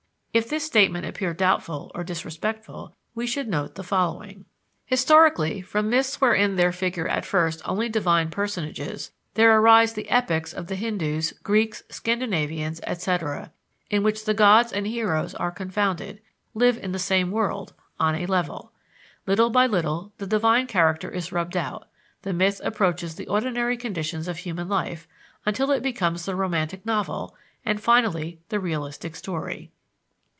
If this statement appear doubtful or disrespectful, we should note the following. Historically, from myths wherein there figure at first only divine personages, there arise the epics of the Hindoos, Greeks, Scandinavians, etc., in which the gods and heroes are confounded, live in the same world, on a level. Little by little the divine character is rubbed out; the myth approaches the ordinary conditions of human life, until it becomes the romantic novel, and finally the realistic story.